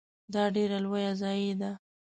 دا ډیره لوی ضایعه ده .